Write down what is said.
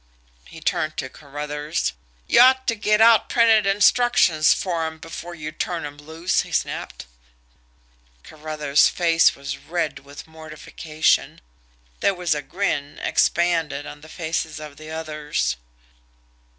He turned to Carruthers. "Y'ought to get out printed instructions for 'em before you turn 'em loose!" he snapped. Carruthers' face was red with mortification. There was a grin, expanded, on the faces of the others.